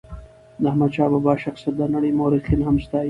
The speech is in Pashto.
د احمد شاه بابا شخصیت د نړی مورخین هم ستایي.